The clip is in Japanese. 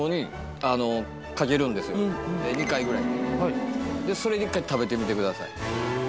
２回ぐらいそれで１回食べてみてください